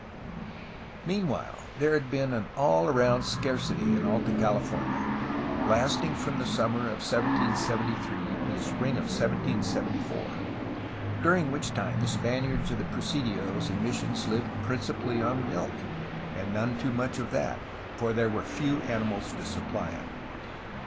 Meanwhile there had been an all round scarcity in Alta California, lasting from the siunmer of 1773 to the spring of 1774, during which time the Spaniards of the presidios and missions lived principally on milk, and none too much of that, for there were few animals to supply it.